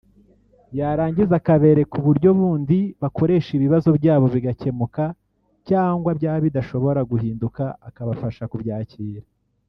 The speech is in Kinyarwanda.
yarangiza akabereka uburyo bundi bakoresha ibibazo byabo bigakemuka cyangwa byaba bidashobora guhinduka akabafasha kubyakira